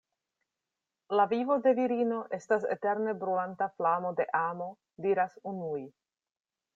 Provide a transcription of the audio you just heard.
La vivo de virino estas eterne brulanta flamo de amo, diras unuj.